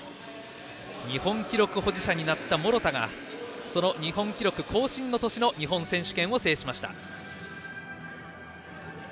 日本記録保持者になった諸田が、日本記録更新の年の日本選手権を制しました。